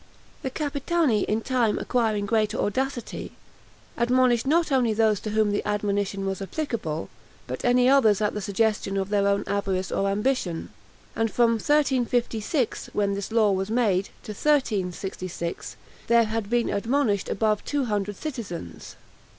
The Capitani in time acquiring greater audacity, admonished not only those to whom the admonition was applicable, but any others at the suggestion of their own avarice or ambition; and from 1356, when this law was made, to 1366, there had been admonished above 200 citizens.